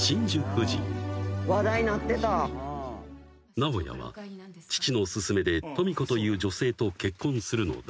［直也は父の勧めで登美子という女性と結婚するのだが］